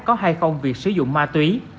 có hay không việc sử dụng ma túy